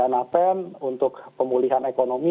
jangan dana ten untuk pemulihan ekonomi